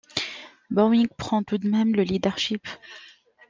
Boeing prend tout de même le leadership.